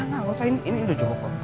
gak gak usah ini udah cukup kok